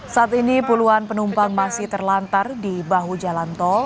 saat ini puluhan penumpang masih terlantar di bahu jalan tol